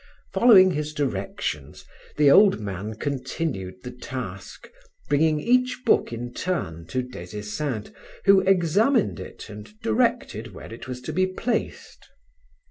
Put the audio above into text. Following his directions, the old man continued the task, bringing each book in turn to Des Esseintes who examined it and directed where it was to be placed.